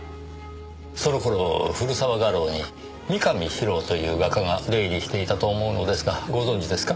その頃古澤画廊に三上史郎という画家が出入りしていたと思うのですがご存じですか？